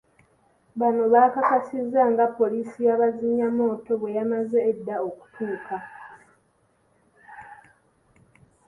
Bano bakakasizza nga poliisi y'abazinyamooto bwe yamaze edda okutuuka.